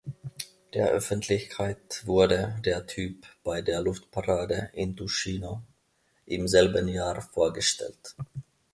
Der Öffentlichkeit wurde der Typ bei der Luftparade in Tuschino im selben Jahr vorgestellt.